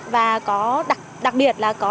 và có đặc biệt là cơ sở